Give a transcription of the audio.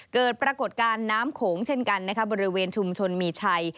เกิดปรากฏการณ์น้ำโขงเช่นกันนะคะบริเวณชุมชนมีชัย